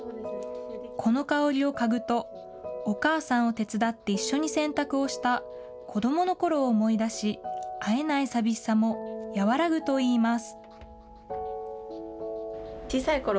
この香りを嗅ぐと、お母さんを手伝って一緒に洗濯をした子どものころを思い出し、会えない寂しさも和らぐといいます。